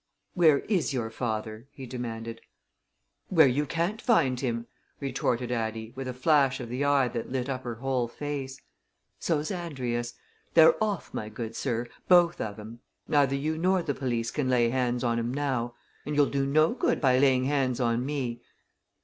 "Where is your father?" he demanded. "Where you can't find him!" retorted Addie, with a flash of the eye that lit up her whole face. "So's Andrius. They're off, my good sir! both of 'em. Neither you nor the police can lay hands on 'em now. And you'll do no good by laying hands on me.